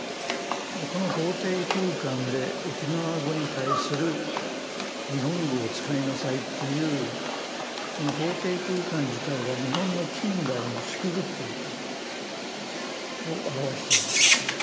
この法廷空間で沖縄語に対する日本語を使いなさいという、その法廷空間自体が日本の近代の縮図を表しているわけですよね。